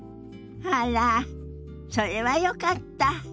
あらそれはよかった。